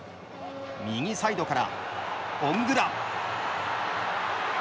右サイドからオングラ。